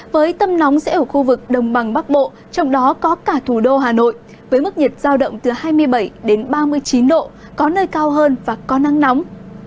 với tâm nóng sẽ ở khu vực đồng bằng bắc bộ trong đó có cả thủ đô hà nội với mức nhiệt giao động từ hai mươi bảy đến ba mươi chín độ có nơi cao hơn và có nắng nóng